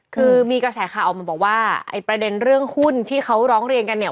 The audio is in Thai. คือมีกระแสข่าวออกมาบอกว่าไอ้ประเด็นเรื่องหุ้นที่เขาร้องเรียนกันเนี่ย